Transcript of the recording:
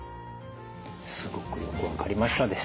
すごくよく分かりましたですね。